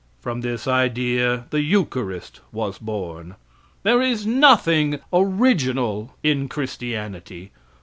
From this idea the eucharist was born. There is nothing original in christianity.